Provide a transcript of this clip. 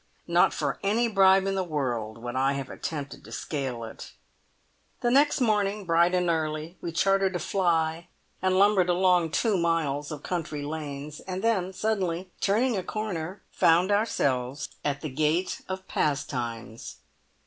Not for any bribe in the world would I have attempted to scale it. The next morning, bright and early, we chartered a "fly," and lumbered along two miles of country lanes, and then, suddenly turning a corner, found ourselves at the gate of Pastimes.